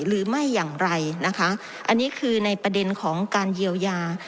หรือไม่อย่างไรนะคะอันนี้คือในประเด็นของการเยียวยา